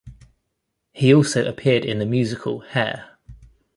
He also appeared in the musical Hair.